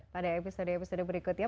pada episode episode berikutnya